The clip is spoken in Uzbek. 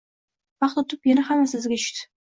Vaqt o`tib, yana hammasi iziga tushdi